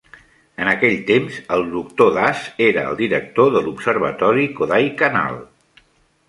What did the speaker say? En aquell temps, el doctor Das era el director de l'observatori Kodaikanal.